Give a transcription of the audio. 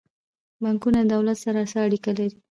بانکونه د دولت سره څه اړیکه لري؟